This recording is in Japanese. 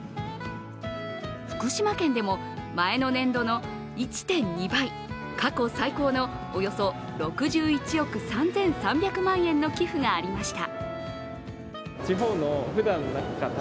福島県でも前の年度の１．２倍、過去最高のおよそ６１億３３００万円の寄付がありました。